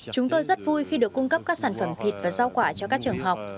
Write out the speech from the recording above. chúng tôi rất vui khi được cung cấp các sản phẩm thịt và rau quả cho các trường học